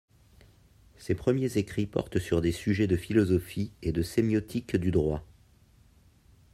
Ses premiers écrits portent sur des sujets de philosophie et de sémiotique du droit.